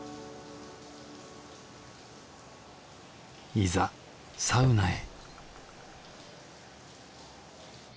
いざサウナへ